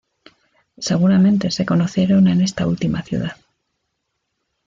Seguramente se conocieron en esta última ciudad.